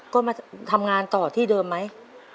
ก็มาทำงานต่อที่เดิมไหม